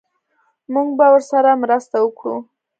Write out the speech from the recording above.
موږ به ورسره مرسته وکړو